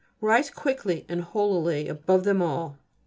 Rise quickly and holily above them all.